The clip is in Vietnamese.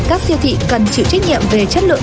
các siêu thị cần chịu trách nhiệm về chất lượng